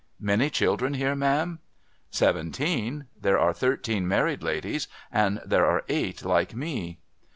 'Many children here, ma'am?' 'Seventeen. There are thirteen married ladies, and there are eight like me.'